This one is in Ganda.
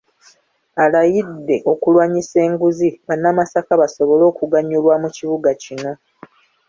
Alayidde okulwanyisa enguzi, bannamasaka basobole okuganyulwa mu kibuga kino.